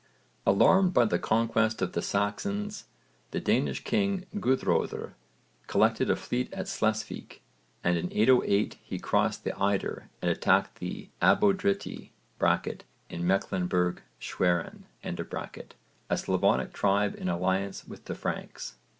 Alarmed by the conquest of the Saxons the Danish king Guðröðr collected a fleet at Slesvík and in 808 he crossed the Eider and attacked the Abodriti (in Mecklenburg Schwerin), a Slavonic tribe in alliance with the Franks.